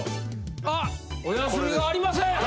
あっお休みはありません。